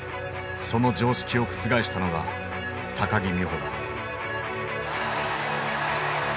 その常識を覆したのが木美帆だ。